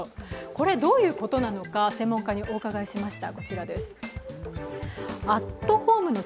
これ、どういうことなのか専門家にお伺いしました。